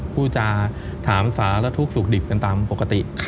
ผู้จาถามสารทุกข์สุขดิบกันตามปกติ